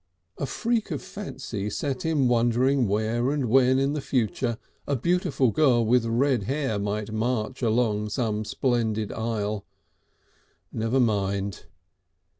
A freak of fancy set him wondering where and when in the future a beautiful girl with red hair might march along some splendid aisle. Never mind!